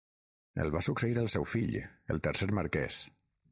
El va succeir el seu fill, el tercer marquès.